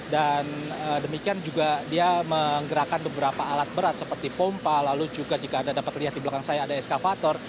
dan demikian juga dia menggerakkan beberapa alat berat seperti pompa lalu juga jika anda dapat lihat di belakang saya ada eskavator